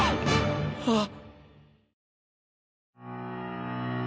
あっ。